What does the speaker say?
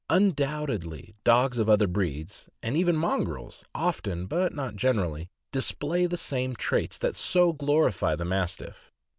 Undoubtedly dogs of other breeds, and even mongrels, often (but not generally) display the same traits that so glorify the Mastiff.